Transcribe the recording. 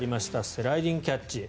スライディングキャッチ。